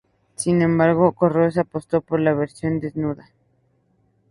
Sin embargo, Correos apostó por la versión desnuda.